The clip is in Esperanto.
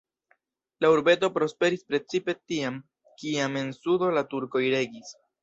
La urbeto prosperis precipe tiam, kiam en sudo la turkoj regis.